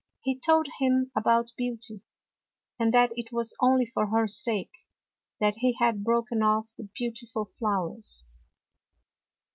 He told him about Beauty; and that it was only for her sake that he had broken off the beau tiful flowers.